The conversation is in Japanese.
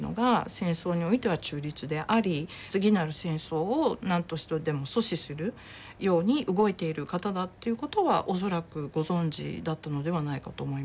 次なる戦争を何としてでも阻止するように動いている方だということは恐らくご存じだったのではないかと思います。